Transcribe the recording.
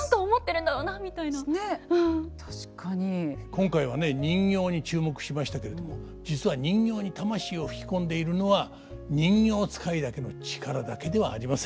今回はね人形に注目しましたけれども実は人形に魂を吹き込んでいるのは人形遣いだけの力だけではありません。